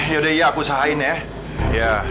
yaudah iya aku sahain ya